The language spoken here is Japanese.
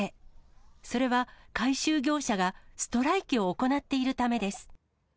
それは、回収業者がストライキを行っているためです。